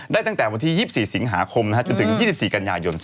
ตั้งแต่วันที่๒๔สิงหาคมจนถึง๒๔กันยายน๒๕๖